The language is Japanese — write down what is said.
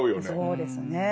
そうですね。